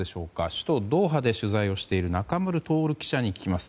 首都ドーハで取材をしている中丸徹記者に聞きます。